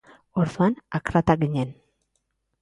Orduan, akratak ginen.